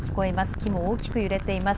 木も大きく揺れています。